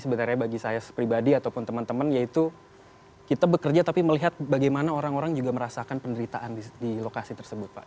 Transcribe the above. sebenarnya bagi saya pribadi ataupun teman teman yaitu kita bekerja tapi melihat bagaimana orang orang juga merasakan penderitaan di lokasi tersebut pak